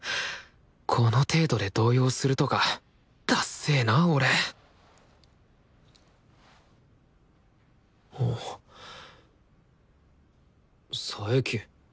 この程度で動揺するとかだっせえな俺佐伯。